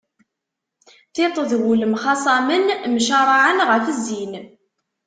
Tiṭ d wul mxaṣamen, mcaraɛen ɣef zzin.